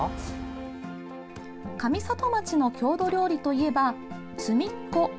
上里町の郷土料理といえば「つみっこ」。